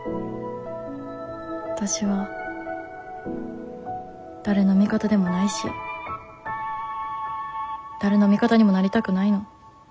わたしは誰の味方でもないし誰の味方にもなりたくないの。